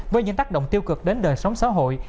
với những tác động tiêu cực đến đời sống xã hội